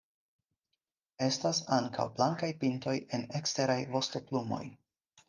Estas ankaŭ blankaj pintoj en eksteraj vostoplumoj.